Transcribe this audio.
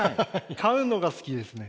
買うのが好きですね。